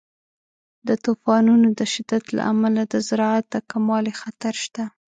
د طوفانونو د شدت له امله د زراعت د کموالي خطر شته.